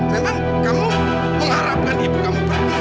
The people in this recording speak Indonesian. memang kamu mengharapkan ibu kamu pergi